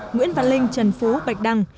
nguyễn văn linh trần phú bạch đăng